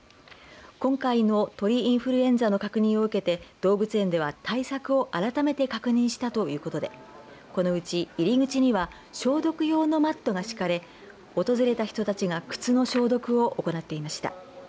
今回の鳥インフルエンザの確認を受けて動物園では対策を改めて確認したということで、このうち入り口には消毒用のマットが敷かれ訪れた人たちが靴の消毒を行っていました。